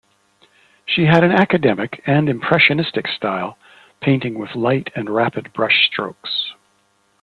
She had an academic and impressionistic style, painting with light and rapid brushstrokes.